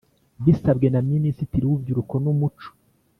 Bisabwe na Minisitiri w Urubyiruko n Umuco